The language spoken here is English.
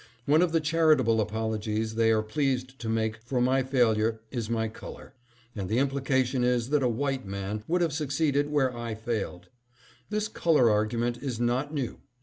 One of the charitable apologies they are pleased to make for my failure is my color; and the implication is that a white man would have succeeded where I failed. This color argument is not new.